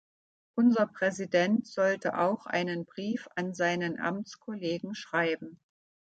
Unser Präsident sollte auch einen Brief an seinen Amtskollegen schreiben.